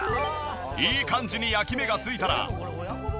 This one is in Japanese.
いい感じに焼き目がついたら。